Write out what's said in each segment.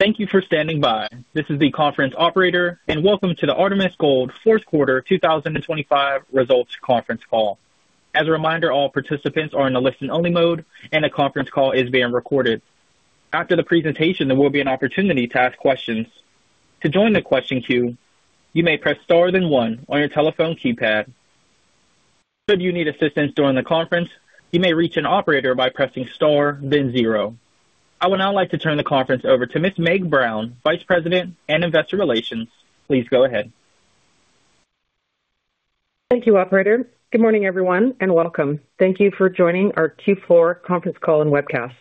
Thank you for standing by. This is the conference operator, and welcome to the Artemis Gold fourth quarter 2025 results conference call. As a reminder, all participants are in a listen-only mode, and the conference call is being recorded. After the presentation, there will be an opportunity to ask questions. To join the question queue, you may press Star then one on your telephone keypad. Should you need assistance during the conference, you may reach an operator by pressing Star then zero. I would now like to turn the conference over to Ms. Meg Brown, Vice President and Investor Relations. Please go ahead. Thank you, operator. Good morning, everyone, and welcome. Thank you for joining our Q4 conference call and webcast.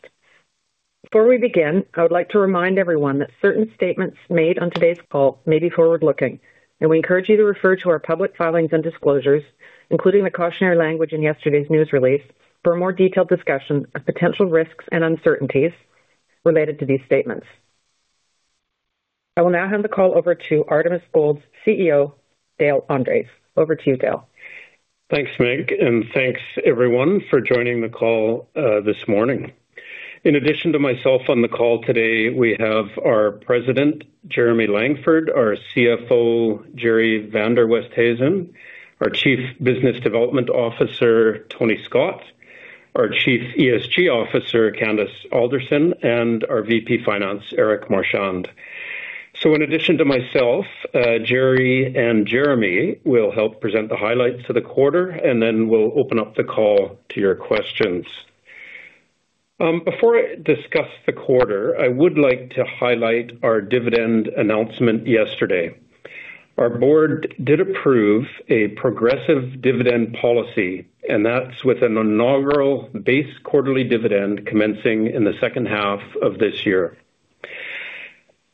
Before we begin, I would like to remind everyone that certain statements made on today's call may be forward-looking, and we encourage you to refer to our public filings and disclosures, including the cautionary language in yesterday's news release, for a more detailed discussion of potential risks and uncertainties related to these statements. I will now hand the call over to Artemis Gold's CEO, Dale Andres. Over to you, Dale. Thanks, Meg, and thanks, everyone, for joining the call this morning. In addition to myself on the call today, we have our President, Jeremy Langford, our CFO, Gerrie van der Westhuizen, our Chief Business Development Officer, Tony Scott, our Chief ESG Officer, Candice Alderson, and our VP Finance, Eric Marchand. So in addition to myself, Gerrie and Jeremy will help present the highlights for the quarter, and then we'll open up the call to your questions. Before I discuss the quarter, I would like to highlight our dividend announcement yesterday. Our Board did approve a progressive dividend policy, and that's with an inaugural base quarterly dividend commencing in the second half of this year.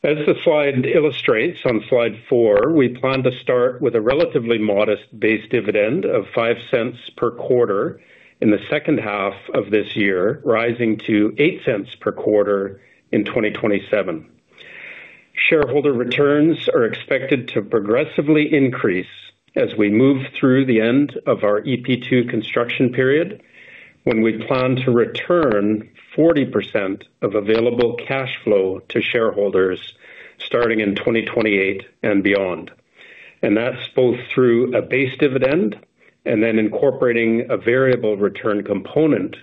As the slide illustrates on Slide 4, we plan to start with a relatively modest base dividend of 0.05 per quarter in the second half of this year, rising to 0.08 per quarter in 2027. Shareholder returns are expected to progressively increase as we move through the end of our EP2 construction period, when we plan to return 40% of available cash flow to shareholders starting in 2028 and beyond. And that's both through a base dividend and then incorporating a variable return component,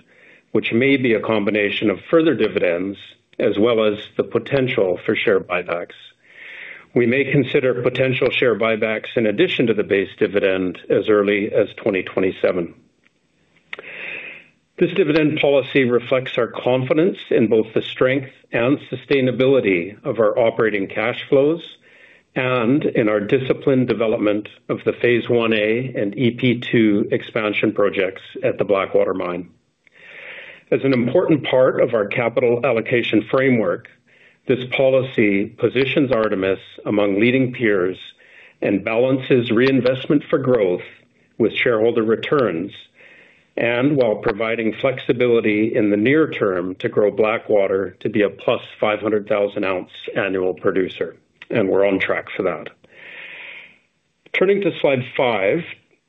which may be a combination of further dividends as well as the potential for share buybacks. We may consider potential share buybacks in addition to the base dividend as early as 2027. This dividend policy reflects our confidence in both the strength and sustainability of our operating cash flows and in our disciplined development of the Phase 1A and EP2 expansion projects at the Blackwater Mine. As an important part of our capital allocation framework, this policy positions Artemis among leading peers and balances reinvestment for growth with shareholder returns, and while providing flexibility in the near term to grow Blackwater to be a +500,000 ounce annual producer, and we're on track for that. Turning to Slide 5,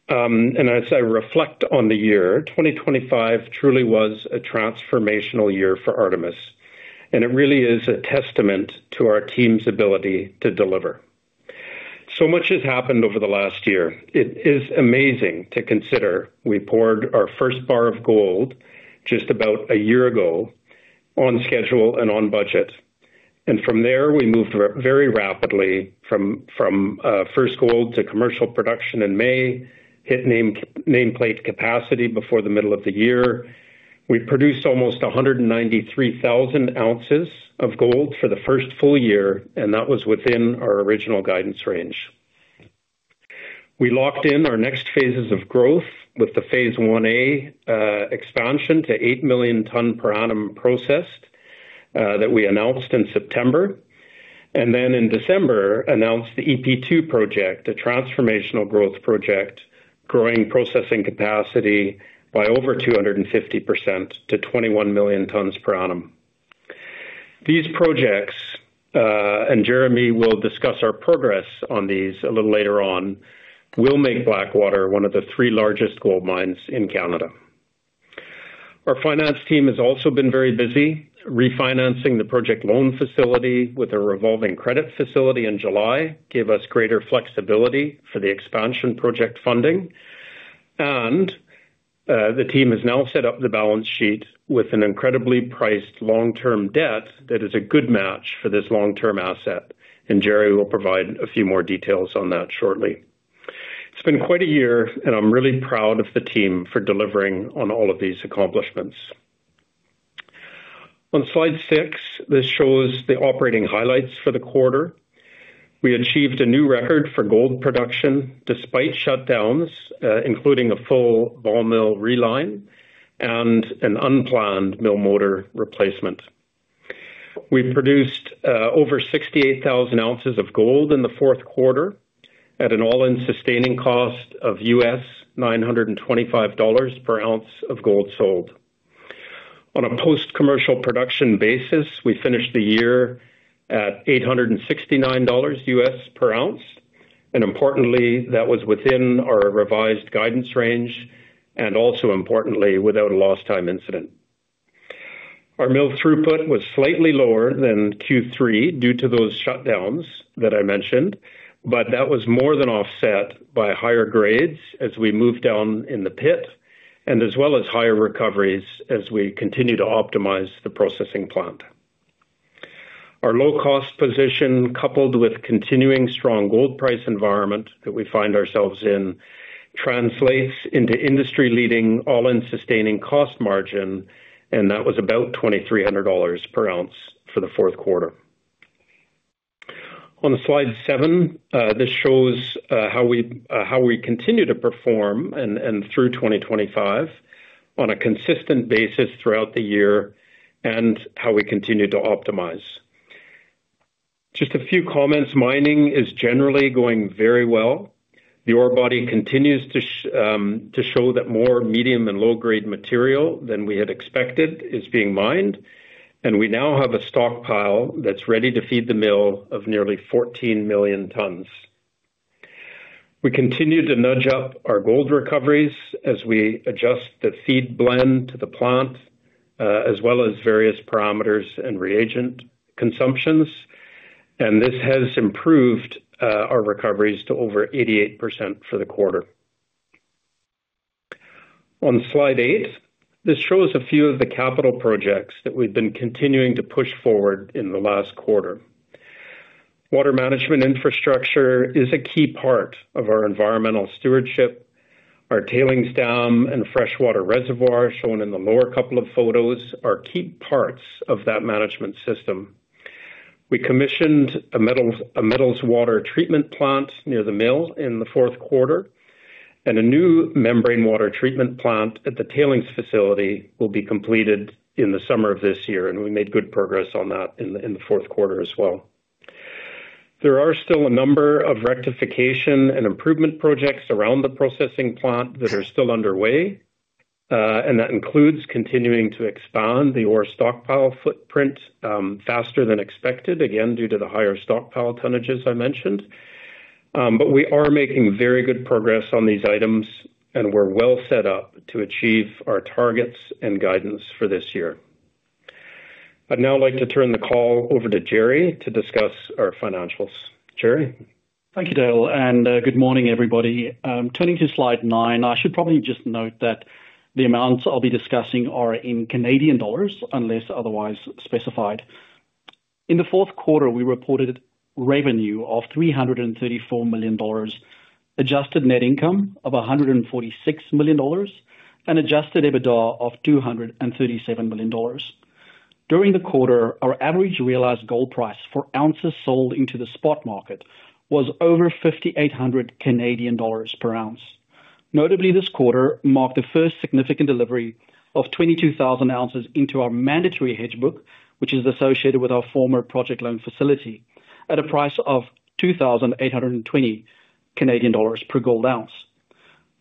and as I reflect on the year, 2025 truly was a transformational year for Artemis, and it really is a testament to our team's ability to deliver. So much has happened over the last year. It is amazing to consider. We poured our first bar of gold just about a year ago on schedule and on budget, and from there, we moved very, very rapidly from first gold to commercial production in May, hit nameplate capacity before the middle of the year. We produced almost 193,000 ounces of gold for the first full year, and that was within our original guidance range. We locked in our next phases of growth with the Phase 1A expansion to 8 million tons per annum processed, that we announced in September, and then in December, announced the EP2 project, a transformational growth project, growing processing capacity by over 250% to 21 million tons per annum. These projects, and Jeremy will discuss our progress on these a little later on, will make Blackwater one of the three largest gold mines in Canada. Our finance team has also been very busy refinancing the Project Loan Facility with a revolving credit facility in July, gave us greater flexibility for the expansion project funding. The team has now set up the balance sheet with an incredibly priced long-term debt that is a good match for this long-term asset. Gerrie will provide a few more details on that shortly. It's been quite a year, and I'm really proud of the team for delivering on all of these accomplishments. On Slide 6, this shows the operating highlights for the quarter. We achieved a new record for gold production despite shutdowns, including a full ball mill reline and an unplanned mill motor replacement. We produced over 68,000 ounces of gold in the fourth quarter at an all-in sustaining cost of $925 per ounce of gold sold. On a post-commercial production basis, we finished the year at $869 per ounce. And importantly, that was within our revised guidance range, and also importantly, without a lost time incident. Our mill throughput was slightly lower than Q3 due to those shutdowns that I mentioned, but that was more than offset by higher grades as we moved down in the pit and as well as higher recoveries as we continue to optimize the processing plant. Our low-cost position, coupled with continuing strong gold price environment that we find ourselves in, translates into industry-leading all-in sustaining cost margin, and that was about $2,300 per ounce for the fourth quarter. On Slide 7, this shows how we continue to perform and through 2025 on a consistent basis throughout the year and how we continue to optimize. Just a few comments, mining is generally going very well. The ore body continues to show that more medium and low-grade material than we had expected is being mined, and we now have a stockpile that's ready to feed the mill of nearly 14 million tons. We continue to nudge up our gold recoveries as we adjust the feed blend to the plant, as well as various parameters and reagent consumptions. And this has improved our recoveries to over 88% for the quarter. On Slide 8, this shows a few of the capital projects that we've been continuing to push forward in the last quarter. Water management infrastructure is a key part of our environmental stewardship. Our tailings dam and freshwater reservoir, shown in the lower couple of photos, are key parts of that management system. We commissioned a metals water treatment plant near the mill in the fourth quarter, and a new membrane water treatment plant at the tailings facility will be completed in the summer of this year, and we made good progress on that in the fourth quarter as well. There are still a number of rectification and improvement projects around the processing plant that are still underway, and that includes continuing to expand the ore stockpile footprint, faster than expected, again, due to the higher stockpile tonnages I mentioned. But we are making very good progress on these items, and we're well set up to achieve our targets and guidance for this year. I'd now like to turn the call over to Gerrie to discuss our financials. Gerrie? Thank you, Dale, and good morning, everybody. Turning to Slide 9, I should probably just note that the amounts I'll be discussing are in Canadian dollars, unless otherwise specified. In the fourth quarter, we reported revenue of 334 million dollars, adjusted net income of 146 million dollars, and adjusted EBITDA of 237 million dollars. During the quarter, our average realized gold price for ounces sold into the spot market was over 5,800 Canadian dollars per ounce. Notably, this quarter marked the first significant delivery of 22,000 ounces into our mandatory hedge book, which is associated with our former project loan facility at a price of 2,820 Canadian dollars per gold ounce.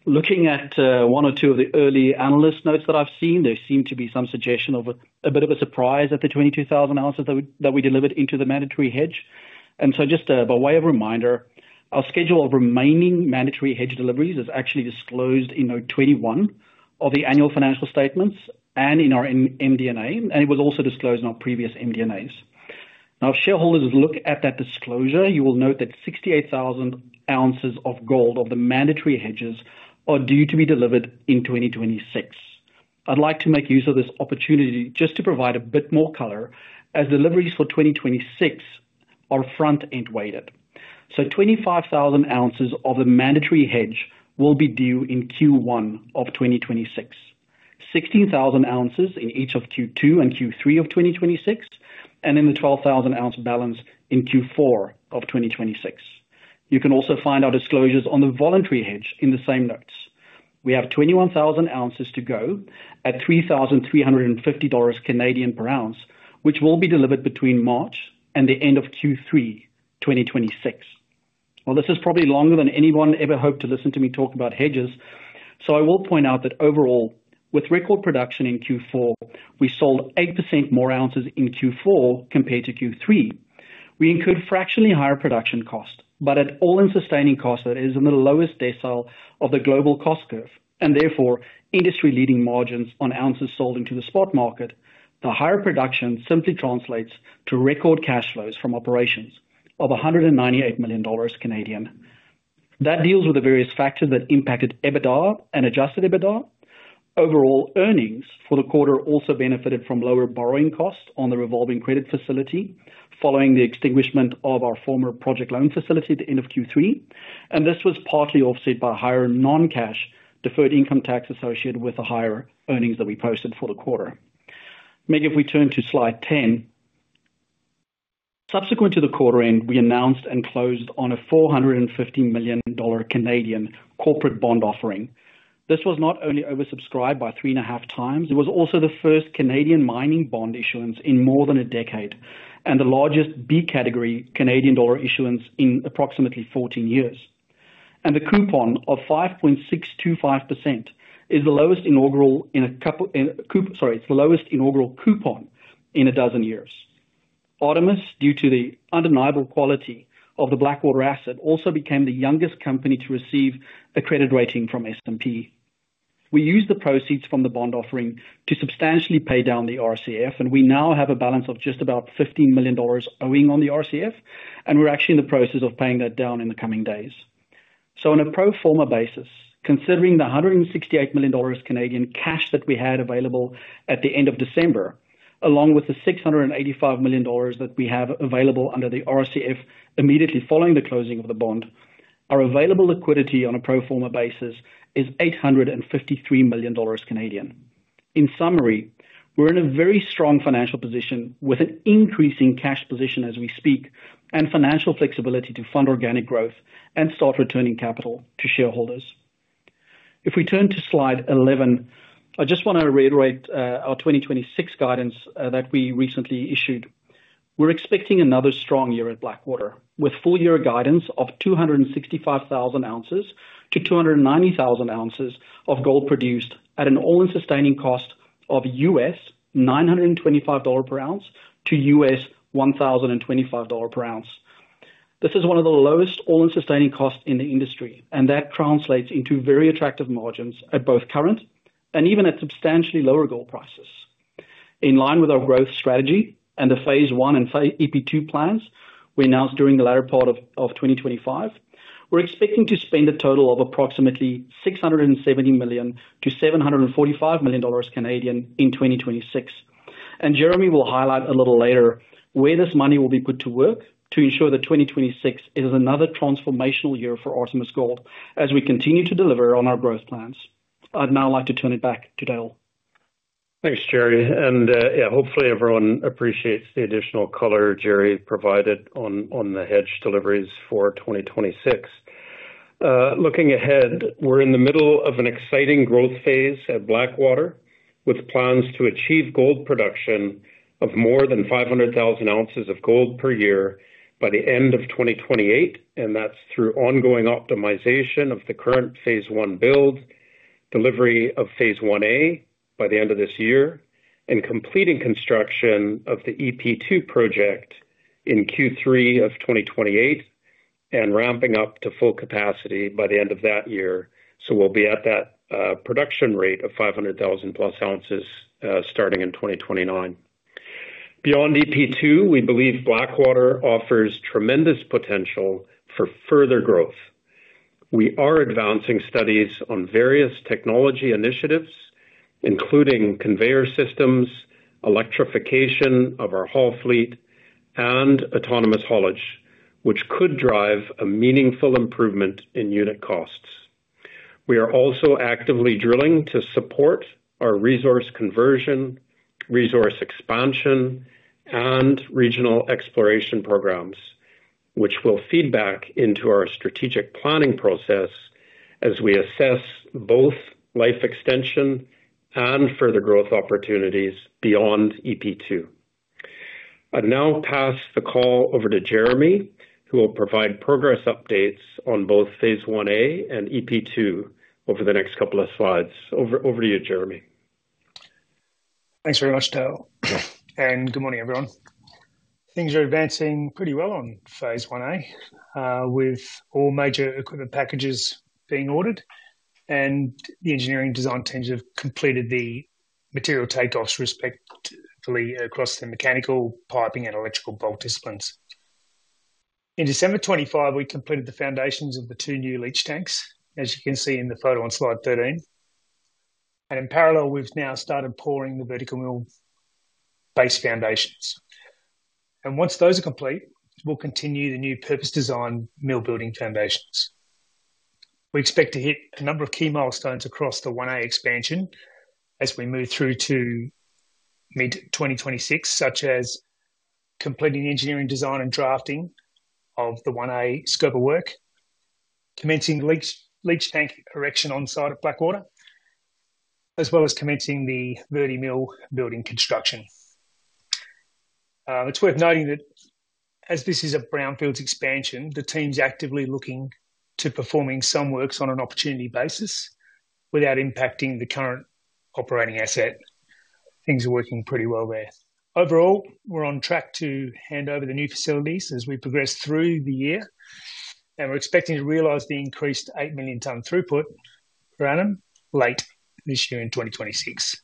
Looking at one or two of the early analyst notes that I've seen, there seemed to be some suggestion of a bit of a surprise at the 22,000 ounces that we delivered into the mandatory hedge. So just by way of reminder, our schedule of remaining mandatory hedge deliveries is actually disclosed in note 21 of the annual financial statements and in our MD&A, and it was also disclosed in our previous MD&As. Now, if shareholders look at that disclosure, you will note that 68,000 ounces of gold of the mandatory hedges are due to be delivered in 2026. I'd like to make use of this opportunity just to provide a bit more color as deliveries for 2026 are front-end weighted. So 25,000 ounces of the mandatory hedge will be due in Q1 of 2026, 16,000 ounces in each of Q2 and Q3 of 2026, and then the 12,000 ounce balance in Q4 of 2026. You can also find our disclosures on the voluntary hedge in the same notes. We have 21,000 ounces to go at 3,350 Canadian dollars per ounce, which will be delivered between March and the end of Q3, 2026. Well, this is probably longer than anyone ever hoped to listen to me talk about hedges, so I will point out that overall, with record production in Q4, we sold 8% more ounces in Q4 compared to Q3. We incurred fractionally higher production costs, but at all-in sustaining costs, that is in the lowest decile of the global cost curve, and therefore, industry-leading margins on ounces sold into the spot market. The higher production simply translates to record cash flows from operations of 198 million Canadian dollars. That deals with the various factors that impacted EBITDA and adjusted EBITDA. Overall earnings for the quarter also benefited from lower borrowing costs on the Revolving Credit Facility, following the extinguishment of our former Project Loan Facility at the end of Q3, and this was partly offset by higher non-cash deferred income tax associated with the higher earnings that we posted for the quarter. Maybe if we turn to Slide 10. Subsequent to the quarter end, we announced and closed on a 450 million Canadian dollars corporate bond offering. This was not only oversubscribed by 3.5 times, it was also the first Canadian mining bond issuance in more than a decade, and the largest B category Canadian dollar issuance in approximately 14 years, and a coupon of 5.625%, sorry, is the lowest inaugural coupon in 12 years. Artemis, due to the undeniable quality of the Blackwater asset, also became the youngest company to receive a credit rating from S&P. We used the proceeds from the bond offering to substantially pay down the RCF, and we now have a balance of just about 15 million dollars owing on the RCF, and we're actually in the process of paying that down in the coming days. On a pro forma basis, considering the 168 million dollars Canadian cash that we had available at the end of December, along with the 685 million dollars that we have available under the RCF, immediately following the closing of the bond, our available liquidity on a pro forma basis is 853 million dollars Canadian. In summary, we're in a very strong financial position with an increasing cash position as we speak, and financial flexibility to fund organic growth and start returning capital to shareholders. If we turn to Slide 11, I just want to reiterate our 2026 guidance that we recently issued. We're expecting another strong year at Blackwater, with full year guidance of 265,000 ounces to 290,000 ounces of gold produced at an all-in sustaining cost of $925 per ounce to $1,025 per ounce. This is one of the lowest all-in sustaining costs in the industry, and that translates into very attractive margins at both current and even at substantially lower gold prices. In line with our growth strategy and the Phase 1 and EP2 plans we announced during the latter part of 2025, we're expecting to spend a total of approximately 670 million to 745 million Canadian dollars in 2026. Jeremy will highlight a little later where this money will be put to work to ensure that 2026 is another transformational year for Artemis Gold as we continue to deliver on our growth plans. I'd now like to turn it back to Dale. Thanks, Gerrie, and, yeah, hopefully everyone appreciates the additional color Gerrie provided on the hedge deliveries for 2026. Looking ahead, we're in the middle of an exciting growth phase at Blackwater, with plans to achieve gold production of more than 500,000 ounces of gold per year by the end of 2028, and that's through ongoing optimization of the current Phase 1 build, delivery of Phase 1A by the end of this year, and completing construction of the EP2 project in Q3 of 2028, and ramping up to full capacity by the end of that year. So we'll be at that production rate of 500,000+ ounces, starting in 2029. Beyond EP2, we believe Blackwater offers tremendous potential for further growth. We are advancing studies on various technology initiatives, including conveyor systems, electrification of our haul fleet, and autonomous haulage, which could drive a meaningful improvement in unit costs. We are also actively drilling to support our resource conversion, resource expansion, and regional exploration programs, which will feed back into our strategic planning process as we assess both life extension and further growth opportunities beyond EP2. I'll now pass the call over to Jeremy, who will provide progress updates on both Phase 1A and EP2 over the next couple of slides. Over to you, Jeremy. Thanks very much, Dale, and good morning, everyone. Things are advancing pretty well on Phase 1A with all major equipment packages being ordered and the engineering design teams have completed the material takeoffs respectively across the mechanical, piping, and electrical bulk disciplines. In December 2025, we completed the foundations of the two new leach tanks, as you can see in the photo on Slide 13. And in parallel, we've now started pouring the Vertimill base foundations. And once those are complete, we'll continue the new purpose-designed mill building foundations. We expect to hit a number of key milestones across the 1A expansion as we move through to mid-2026, such as completing engineering, design, and drafting of the 1A scope of work, commencing leach, leach tank erection on site of Blackwater, as well as commencing the Vertimill building construction. It's worth noting that as this is a brownfields expansion, the team's actively looking to performing some works on an opportunity basis without impacting the current operating asset. Things are working pretty well there. Overall, we're on track to hand over the new facilities as we progress through the year, and we're expecting to realize the increased 8 million ton throughput per annum late this year in 2026.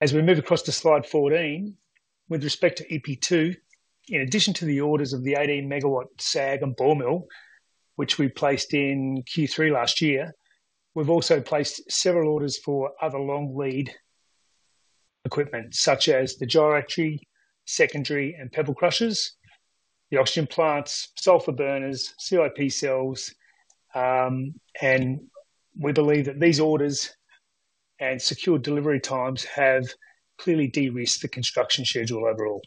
As we move across to Slide 14, with respect to EP2, in addition to the orders of the 18-megawatt SAG and ball mill, which we placed in Q3 last year, we've also placed several orders for other long lead equipment, such as the gyratory, secondary, and pebble crushers, the oxygen plants, sulfur burners, CIP cells, and we believe that these orders and secure delivery times have clearly de-risked the construction schedule overall.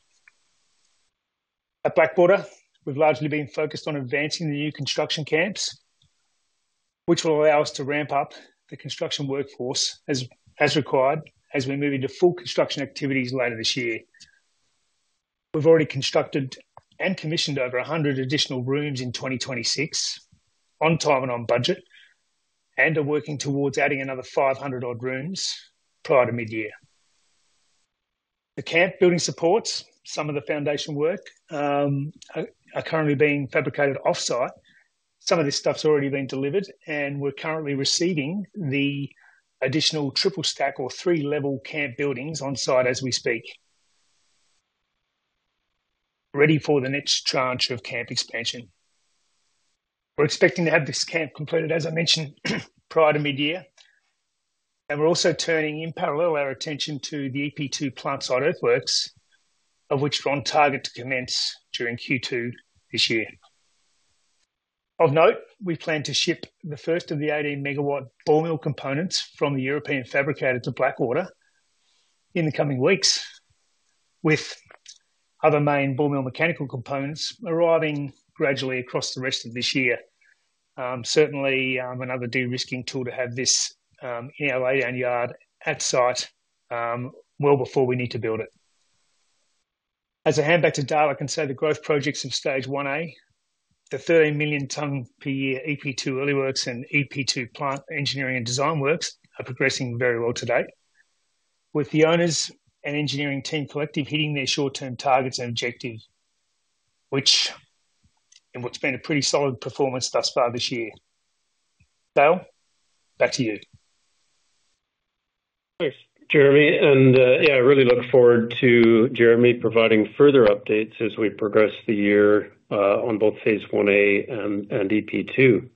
At Blackwater, we've largely been focused on advancing the new construction camps, which will allow us to ramp up the construction workforce as required as we move into full construction activities later this year. We've already constructed and commissioned over 100 additional rooms in 2026 on time and on budget, and are working towards adding another 500-odd rooms prior to midyear. The camp building supports some of the foundation work are currently being fabricated off-site. Some of this stuff's already been delivered, and we're currently receiving the additional triple stack or three-level camp buildings on-site as we speak, ready for the next tranche of camp expansion. We're expecting to have this camp completed, as I mentioned, prior to midyear, and we're also turning, in parallel, our attention to the EP2 plant site earthworks, of which we're on target to commence during Q2 this year. Of note, we plan to ship the first of the 18 megawatt ball mill components from the European fabricator to Blackwater in the coming weeks, with other main ball mill mechanical components arriving gradually across the rest of this year. Certainly, another de-risking tool to have this in our own yard at site well before we need to build it. As I hand back to Dale, I can say the growth projects of Stage 1A, the 13 million tons per year, EP2 early works and EP2 plant engineering and design works, are progressing very well to date, with the owners and engineering team collectively hitting their short-term targets and objectives, which in what's been a pretty solid performance thus far this year. Dale, back to you. Thanks, Jeremy, and yeah, I really look forward to Jeremy providing further updates as we progress the year on both Phase 1A and EP2.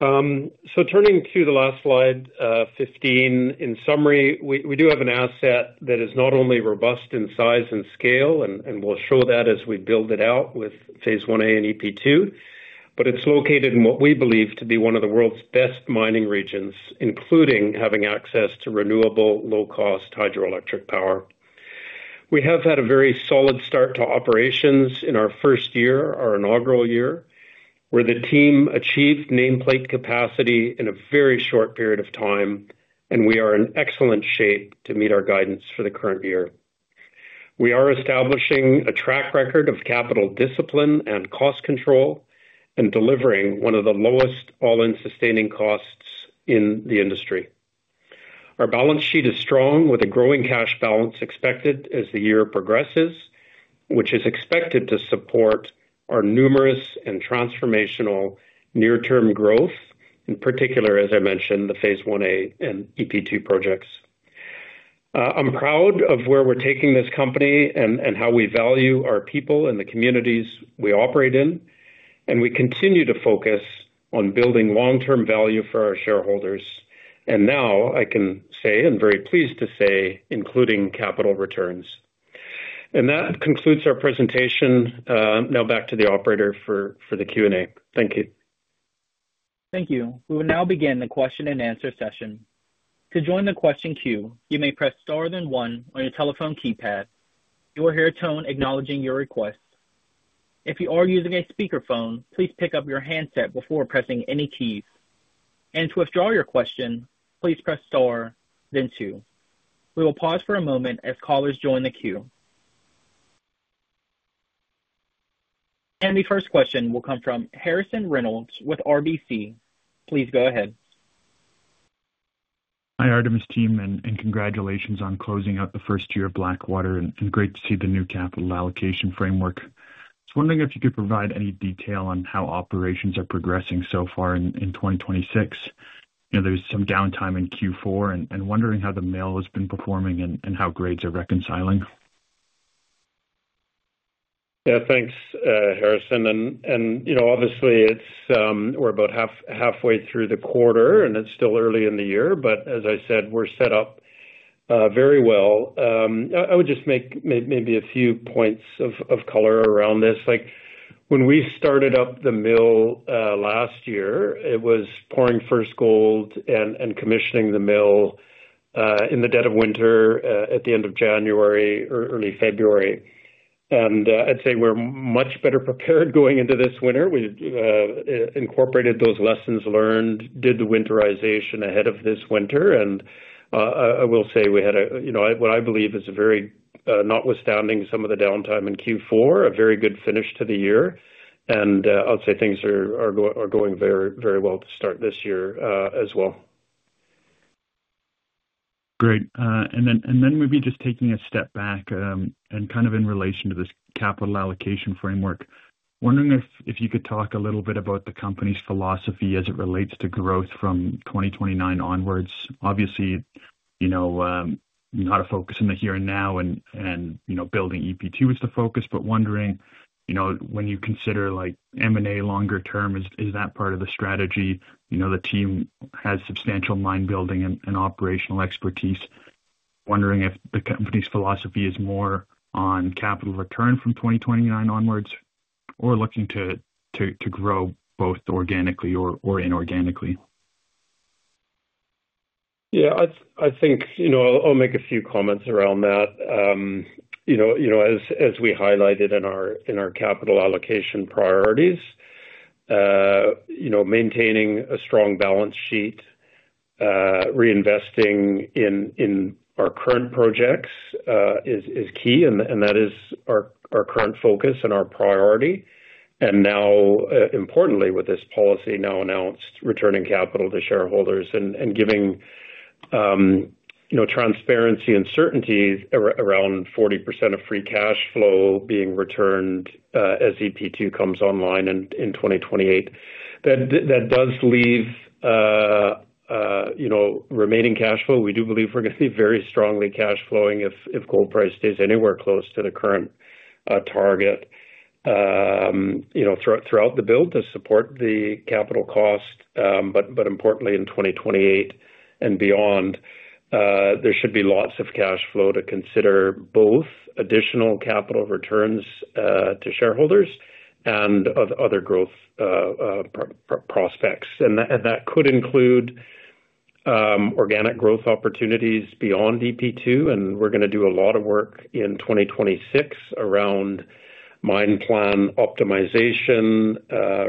So turning to the last Slide 15. In summary, we do have an asset that is not only robust in size and scale, and we'll show that as we build it out with Phase 1A and EP2, but it's located in what we believe to be one of the world's best mining regions, including having access to renewable, low-cost hydroelectric power. We have had a very solid start to operations in our first year, our inaugural year, where the team achieved nameplate capacity in a very short period of time, and we are in excellent shape to meet our guidance for the current year. We are establishing a track record of capital discipline and cost control and delivering one of the lowest all-in sustaining costs in the industry. Our balance sheet is strong, with a growing cash balance expected as the year progresses, which is expected to support our numerous and transformational near-term growth, in particular, as I mentioned, the Phase 1A and EP2 projects. I'm proud of where we're taking this company and, and how we value our people and the communities we operate in, and we continue to focus on building long-term value for our shareholders. And now I can say, and very pleased to say, including capital returns. And that concludes our presentation. Now back to the operator for, for the Q&A. Thank you. Thank you. We will now begin the question-and-answer session. To join the question queue, you may press star then one on your telephone keypad. You will hear a tone acknowledging your request. If you are using a speakerphone, please pick up your handset before pressing any keys, and to withdraw your question, please press star then two. We will pause for a moment as callers join the queue. The first question will come from Harrison Reynolds with RBC. Please go ahead. Hi, Artemis team, and congratulations on closing out the first year of Blackwater, and great to see the new capital allocation framework. Just wondering if you could provide any detail on how operations are progressing so far in 2026. You know, there's some downtime in Q4, and wondering how the mill has been performing and how grades are reconciling. Yeah, thanks, Harrison. And, you know, obviously, it's, we're about halfway through the quarter, and it's still early in the year, but as I said, we're set up very well. I would just make maybe a few points of color around this. Like, when we started up the mill last year, it was pouring first gold and commissioning the mill in the dead of winter at the end of January or early February. And, I'd say we're much better prepared going into this winter. We incorporated those lessons learned, did the winterization ahead of this winter, and, I will say we had, you know, what I believe is a very, notwithstanding some of the downtime in Q4, a very good finish to the year. I'll say things are going very, very well to start this year, as well. Great. And then maybe just taking a step back, and kind of in relation to this capital allocation framework. Wondering if you could talk a little bit about the company's philosophy as it relates to growth from 2029 onwards. Obviously, you know, how to focus on the here and now and, you know, building EP2 is the focus, but wondering, you know, when you consider like M&A longer term, is that part of the strategy? You know, the team has substantial mine building and operational expertise. Wondering if the company's philosophy is more on capital return from 2029 onwards or looking to grow both organically or inorganically.... Yeah, I think, you know, I'll make a few comments around that. You know, you know, as we highlighted in our capital allocation priorities, you know, maintaining a strong balance sheet, reinvesting in our current projects, is key, and that is our current focus and our priority. And now, importantly, with this policy now announced, returning capital to shareholders and giving, you know, transparency and certainty around 40% of free cash flow being returned, as EP2 comes online in 2028. That does leave, you know, remaining cash flow. We do believe we're gonna be very strongly cash flowing if gold price stays anywhere close to the current target. You know, throughout the build, to support the capital cost, but importantly, in 2028 and beyond, there should be lots of cash flow to consider both additional capital returns to shareholders and other growth prospects. And that could include organic growth opportunities beyond EP2, and we're gonna do a lot of work in 2026 around mine plan optimization,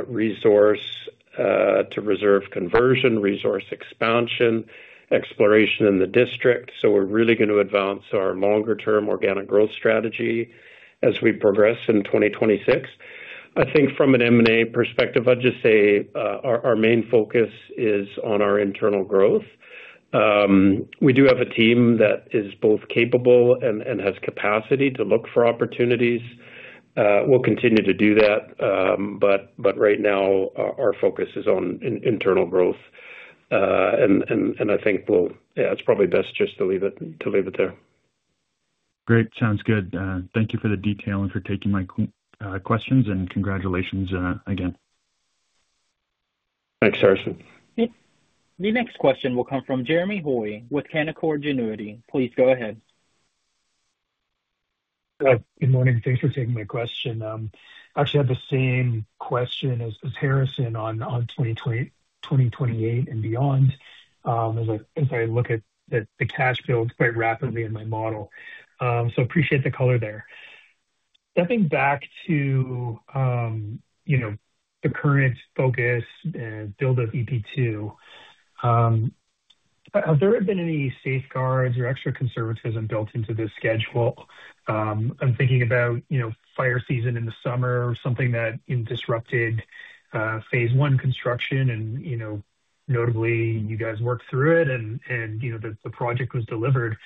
resource to reserve conversion, resource expansion, exploration in the district. So we're really gonna advance our longer term organic growth strategy as we progress in 2026. I think from an M&A perspective, I'd just say our main focus is on our internal growth. We do have a team that is both capable and has capacity to look for opportunities. We'll continue to do that, but right now, our focus is on internal growth. And I think we'll... Yeah, it's probably best just to leave it, to leave it there. Great. Sounds good. Thank you for the detail and for taking my questions, and congratulations again. Thanks, Harrison. The next question will come from Jeremy Hoy with Canaccord Genuity. Please go ahead. Good. Good morning. Thanks for taking my question. I actually have the same question as Harrison on 2020, 2028 and beyond. As I look at the cash builds quite rapidly in my model. So appreciate the color there. Stepping back to, you know, the current focus and build of EP-2, have there been any safeguards or extra conservatism built into this schedule? I'm thinking about, you know, fire season in the summer or something that interrupted Phase 1 construction and, you know, notably, you guys worked through it and, you know, the project was delivered.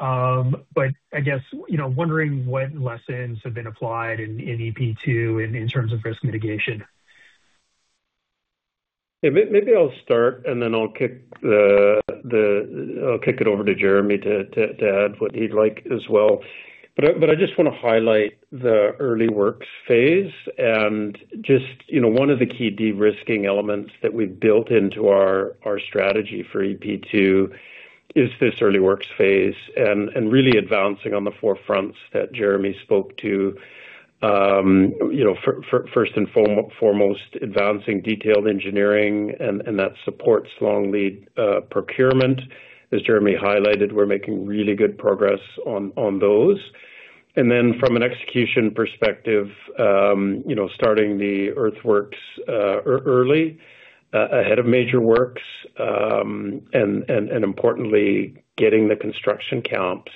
But I guess, you know, wondering what lessons have been applied in EP2 in terms of risk mitigation. Yeah, maybe I'll start, and then I'll kick it over to Jeremy to add what he'd like as well. But I just wanna highlight the early works phase. And just, you know, one of the key de-risking elements that we've built into our strategy for EP2 is this early works phase and really advancing on the four fronts that Jeremy spoke to. You know, first and foremost, advancing detailed engineering and that supports long lead procurement. As Jeremy highlighted, we're making really good progress on those. And then from an execution perspective, you know, starting the earthworks early ahead of major works and importantly, getting the construction camps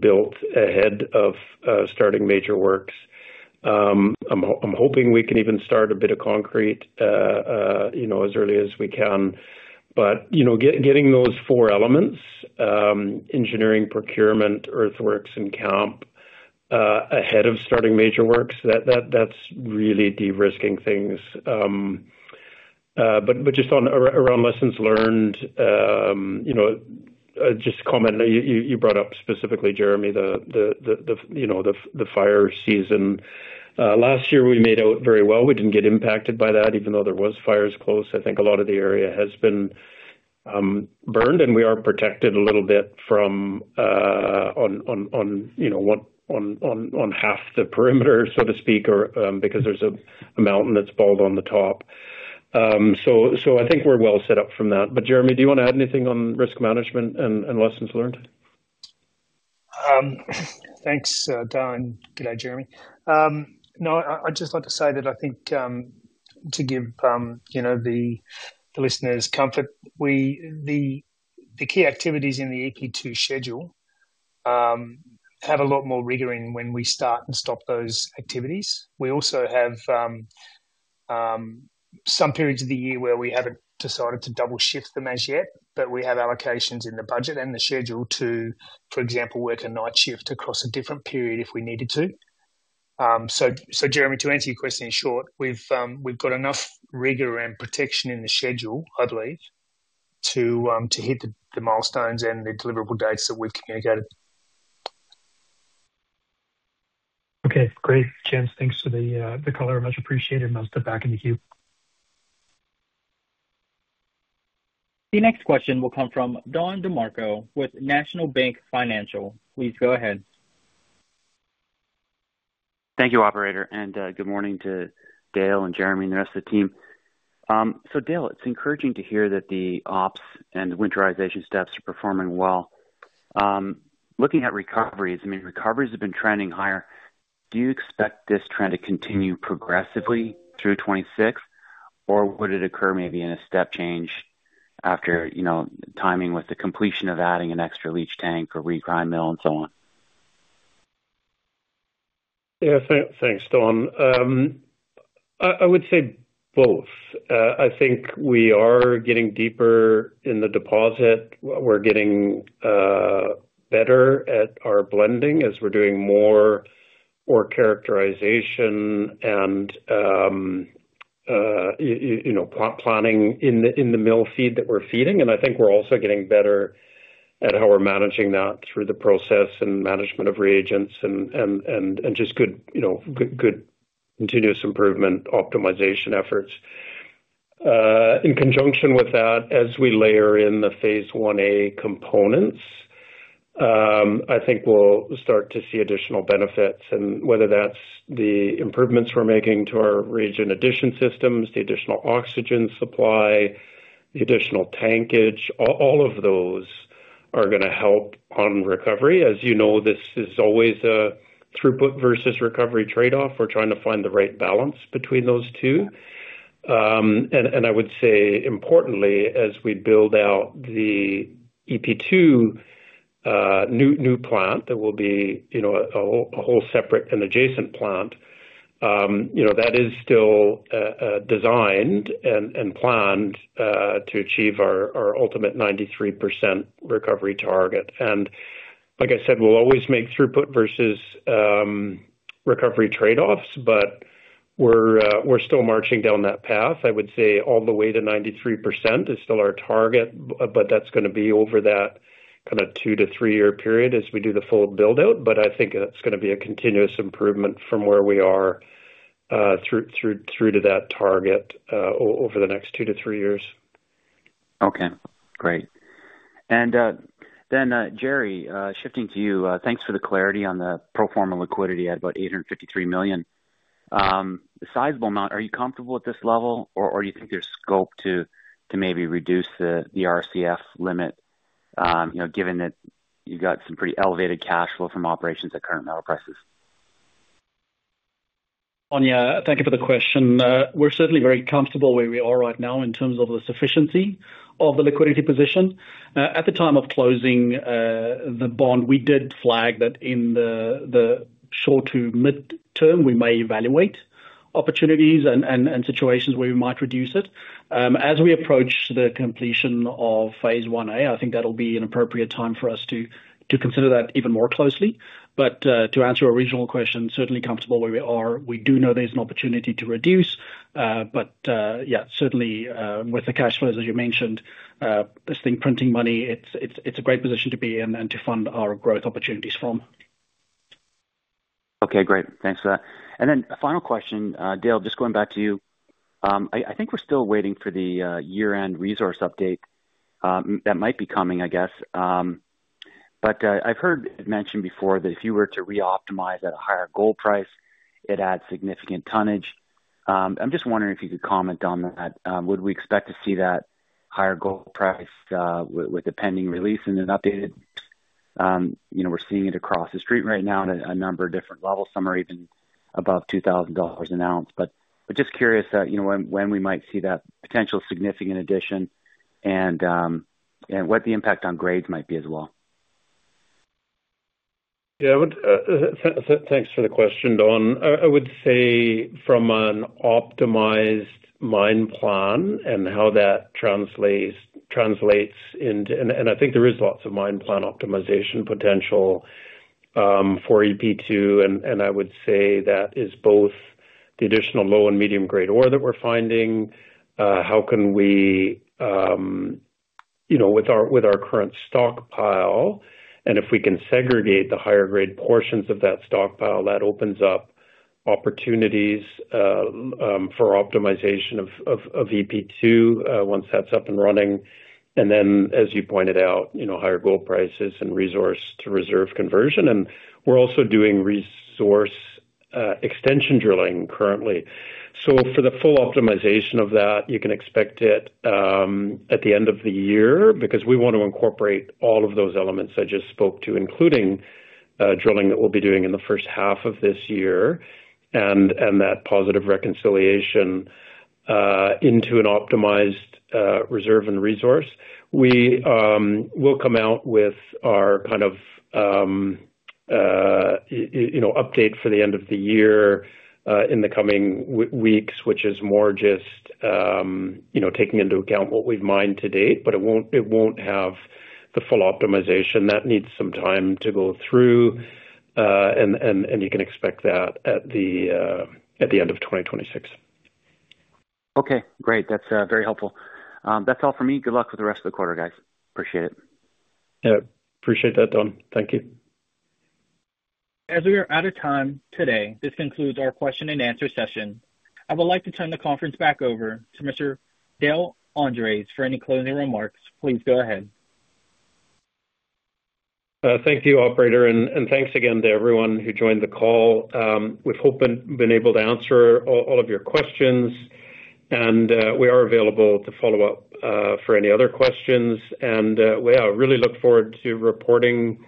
built ahead of starting major works. I'm hoping we can even start a bit of concrete, you know, as early as we can. But, you know, getting those four elements, engineering, procurement, earthworks, and camp, ahead of starting major works, that's really de-risking things. But just around lessons learned, you know, just to comment, you brought up specifically, Jeremy, the fire season. Last year, we made out very well. We didn't get impacted by that, even though there was fires close. I think a lot of the area has been burned, and we are protected a little bit from, you know, on half the perimeter, so to speak, or because there's a mountain that's bald on the top. So, I think we're well set up from that. But Jeremy, do you want to add anything on risk management and lessons learned? Thanks, Dale. Good day, Jeremy. No, I'd just like to say that I think, to give you know, the listeners comfort, the key activities in the EP2 schedule have a lot more rigor in when we start and stop those activities. We also have some periods of the year where we haven't decided to double shift them as yet, but we have allocations in the budget and the schedule to, for example, work a night shift across a different period if we needed to. So, so Jeremy, to answer your question, in short, we've got enough rigor and protection in the schedule, I believe, to hit the milestones and the deliverable dates that we've communicated. Okay, great. Gents, thanks for the, the color. Much appreciated. And I'll step back in the queue. The next question will come from Dale DeMarco with National Bank Financial. Please go ahead.... Thank you, operator, and good morning to Dale and Jeremy and the rest of the team. So Dale, it's encouraging to hear that the ops and winterization steps are performing well. Looking at recoveries, I mean, recoveries have been trending higher. Do you expect this trend to continue progressively through 2026, or would it occur maybe in a step change after, you know, timing with the completion of adding an extra leach tank or regrind mill and so on? Yeah, thanks, Dale. I would say both. I think we are getting deeper in the deposit. We're getting better at our blending as we're doing more ore characterization and you know, planning in the mill feed that we're feeding. And I think we're also getting better at how we're managing that through the process and management of reagents and just good, you know, good continuous improvement optimization efforts. In conjunction with that, as we layer in the Phase 1A components, I think we'll start to see additional benefits. And whether that's the improvements we're making to our reagent addition systems, the additional oxygen supply, the additional tankage, all of those are gonna help on recovery. As you know, this is always a throughput versus recovery trade-off. We're trying to find the right balance between those two. And I would say importantly, as we build out the EP 2, new plant, that will be, you know, a whole separate and adjacent plant, you know, that is still designed and planned to achieve our ultimate 93% recovery target. And like I said, we'll always make throughput versus recovery trade-offs, but we're still marching down that path. I would say all the way to 93% is still our target, but that's gonna be over that kind of 2-3-year period as we do the full build-out. But I think it's gonna be a continuous improvement from where we are through to that target over the next 2-3 years. Okay, great. And then, Jerry, shifting to you, thanks for the clarity on the pro forma liquidity at about 853 million. The sizable amount, are you comfortable with this level, or you think there's scope to maybe reduce the RCF limit, you know, given that you've got some pretty elevated cash flow from operations at current metal prices? Oh, yeah, thank you for the question. We're certainly very comfortable where we are right now in terms of the sufficiency of the liquidity position. At the time of closing the bond, we did flag that in the short to mid-term, we may evaluate opportunities and situations where we might reduce it. As we approach the completion of Phase 1A, I think that'll be an appropriate time for us to consider that even more closely. But to answer your original question, certainly comfortable where we are. We do know there's an opportunity to reduce, but yeah, certainly with the cash flows, as you mentioned, this thing printing money, it's a great position to be in and to fund our growth opportunities from. Okay, great. Thanks for that. And then a final question, Dale, just going back to you. I think we're still waiting for the year-end resource update that might be coming, I guess. But, I've heard it mentioned before that if you were to reoptimize at a higher gold price, it adds significant tonnage. I'm just wondering if you could comment on that. Would we expect to see that higher gold price with the pending release in an updated, you know, we're seeing it across the street right now at a number of different levels. Some are even above $2,000 an ounce. But just curious, you know, when we might see that potential significant addition and what the impact on grades might be as well? Yeah. I would, thanks for the question, Dale. I would say from an optimized mine plan and how that translates into. And I think there is lots of mine plan optimization potential for EP2, and I would say that is both the additional low and medium grade ore that we're finding. How can we, you know, with our current stockpile, and if we can segregate the higher grade portions of that stockpile, that opens up opportunities for optimization of EP2 once that's up and running. And then, as you pointed out, you know, higher gold prices and resource to reserve conversion. And we're also doing resource extension drilling currently. So for the full optimization of that, you can expect it at the end of the year, because we want to incorporate all of those elements I just spoke to, including drilling that we'll be doing in the first half of this year, and that positive reconciliation into an optimized reserve and resource. We will come out with our kind of you know update for the end of the year in the coming weeks, which is more just you know taking into account what we've mined to date, but it won't have the full optimization. That needs some time to go through, and you can expect that at the end of 2026. Okay, great. That's very helpful. That's all for me. Good luck with the rest of the quarter, guys. Appreciate it. Yeah, appreciate that, Dale. Thank you. As we are out of time today, this concludes our question and answer session. I would like to turn the conference back over to Mr. Dale Andres. For any closing remarks, please go ahead. Thank you, operator, and thanks again to everyone who joined the call. We hope we've been able to answer all of your questions, and we are available to follow up for any other questions. We are really looking forward to reporting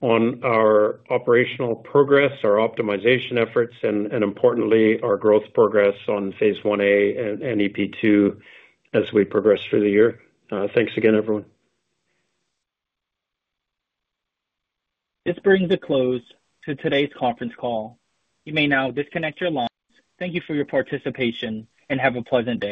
on our operational progress, our optimization efforts, and importantly, our growth progress on Phase 1A and EP2 as we progress through the year. Thanks again, everyone. This brings a close to today's conference call. You may now disconnect your lines. Thank you for your participation, and have a pleasant day.